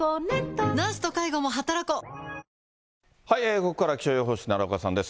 ここからは気象予報士、奈良岡さんです。